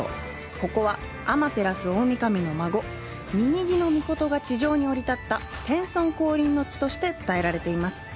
ここは、天照大神の孫、瓊瓊杵尊が地上に降り立った天孫降臨の地として伝えられています。